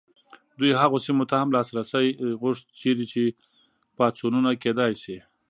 دوی هغو سیمو ته هم لاسرسی غوښت چیرې چې پاڅونونه کېدای شي.